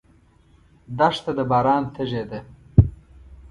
دښته د باران تږې ده.